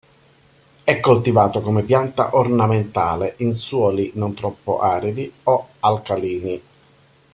È coltivato come pianta ornamentale in suoli non troppo aridi o alcalini.